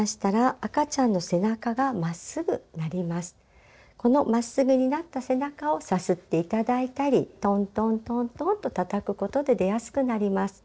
このまっすぐになった背中をさすって頂いたりトントントントンとたたくことで出やすくなります。